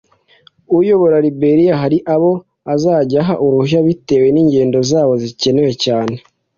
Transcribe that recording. uyobora Liberia hari abo azajya aha uruhushya bitewe n'ingendo zabo zikenewe cyane